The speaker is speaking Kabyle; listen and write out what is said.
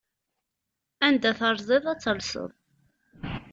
Anda terziḍ ad talseḍ.